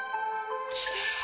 きれい。